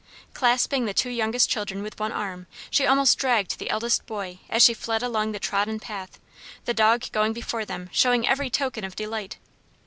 Clasping the two youngest children with one arm she almost dragged the eldest boy as she fled along the trodden path, the dog going before them showing every token of delight.